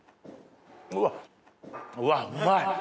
うわっうわうまい。